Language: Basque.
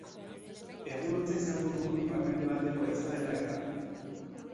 Egun hotza izango dugu ipar-mendebaldeko haizea dela eta.